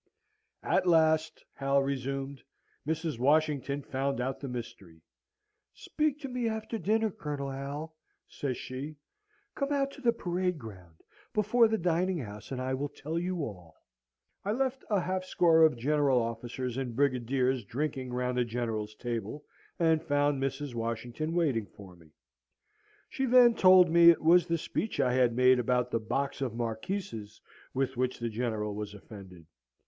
"At last," Hal resumed, "Mrs. Washington found out the mystery. 'Speak to me after dinner, Colonel Hal,' says she. 'Come out to the parade ground, before the dining house, and I will tell you all.' I left a half score of general officers and brigadiers drinking round the General's table, and found Mrs. Washington waiting for me. She then told me it was the speech I had made about the box of Marquises, with which the General was offended.